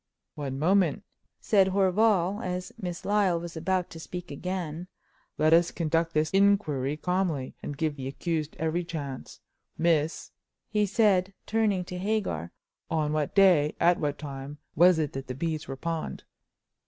"One moment," said Horval, as Miss Lyle was about to speak again, "let us conduct this inquiry calmly, and give the accused every chance Miss," he said, turning to Hagar, "on what day, at what time, was it that the beads were pawned?"